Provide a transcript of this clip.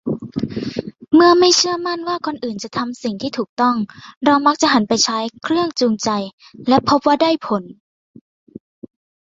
เมื่อไม่เชื่อมั่นว่าคนอื่นจะทำสิ่งที่ถูกต้อง เรามักหันไปใช้ 'เครื่องจูงใจ' และพบว่าได้ผลลัพธ์